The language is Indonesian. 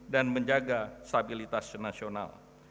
dan menjaga stabilitas nasional